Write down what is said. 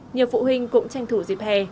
nhiều phụ huynh cũng tranh thủ dịp hè